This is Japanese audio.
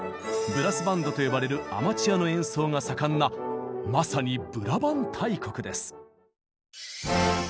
「ブラスバンド」と呼ばれるアマチュアの演奏が盛んなまさにブラバン大国です。